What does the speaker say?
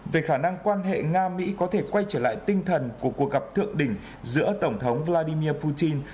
về khả năng quan hệ nga mỹ có thể quay trở lại tinh thần của cuộc gặp thượng đỉnh giữa tổng thống vladimir putin